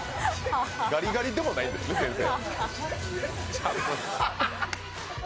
ガリガリでもないんですね、先生。